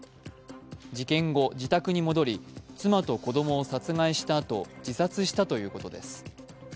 事件後、自宅に戻り、妻と子供を殺害したあと自殺したということです。